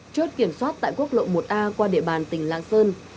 chốt kiểm soát tại quốc lộ một a qua địa bàn tỉnh lạng sơn